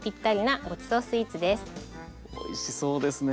おいしそうですね。